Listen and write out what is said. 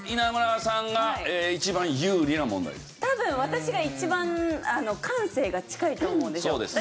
多分私が一番感性が近いと思うんですよ。